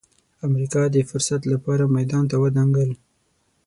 امریکا د فرصت لپاره میدان ته ودانګل.